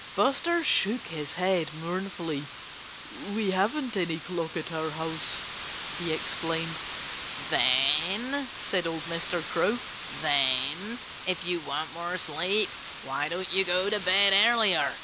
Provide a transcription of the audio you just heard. Buster shook his head mournfully. "We haven't any clock at our house," he explained. "Then " said old Mr. Crow, "then, if you want more sleep why don't you go to bed earlier?